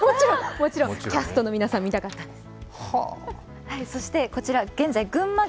もちろん、キャストの皆さん見たかったんです。